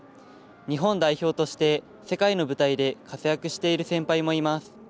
日本代表として世界の舞台で活躍している先輩もいます。